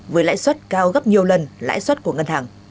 với lãi suất cao gấp nhiều lần lãi suất của ngân hàng